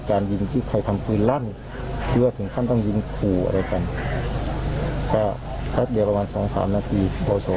เกิดบอกว่าพระทะเผิ้ลก็ใช่แบบนั้น